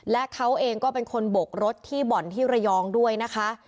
และเขาเองก็เป็นคนบกรถที่บ่อนที่ระยองด้วยนะคะ